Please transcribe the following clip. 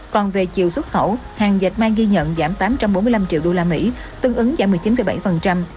còn về chiều xuất khẩu hàng dạch mai ghi nhận giảm tám trăm bốn mươi năm triệu usd tương ứng giảm một mươi chín bảy